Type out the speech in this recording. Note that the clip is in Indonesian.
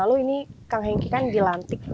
lalu ini kang hengyi kan dilantik tangga